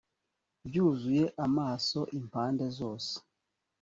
byuzuye amaso impande zose